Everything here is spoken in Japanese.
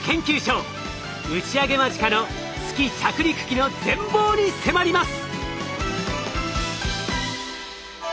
打ち上げ間近の月着陸機の全貌に迫ります。